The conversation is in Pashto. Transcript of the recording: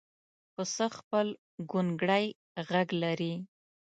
پسه خپل ګونګړی غږ لري.